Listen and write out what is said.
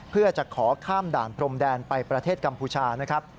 เพื่อจะขอข้ามด่านพรมแดนไปประเทศกัมพูชานะครับ